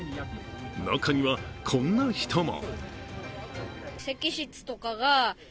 中にはこんな人も。